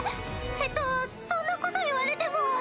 えっとそんなこと言われても。